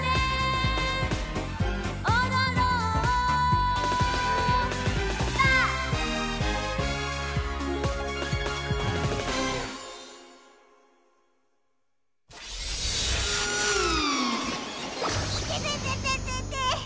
「おどろんぱ！」いててててててて！